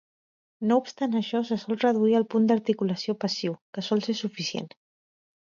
No obstant això, se sol reduir al punt d'articulació passiu, que sol ser suficient.